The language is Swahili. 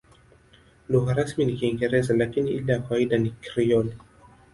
Lugha rasmi ni Kiingereza, lakini ile ya kawaida ni Krioli.